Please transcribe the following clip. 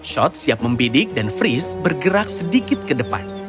shot siap membidik dan freeze bergerak sedikit ke depan